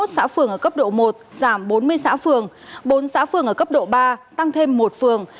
hai trăm tám mươi một xã phường ở cấp độ một giảm bốn mươi xã phường bốn xã phường ở cấp độ ba tăng thêm một phường